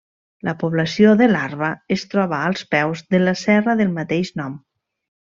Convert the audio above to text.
La població de Larva es troba als peus de la serra del mateix nom.